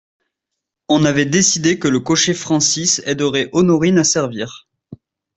On avait décidé que le cocher Francis aiderait Honorine à servir.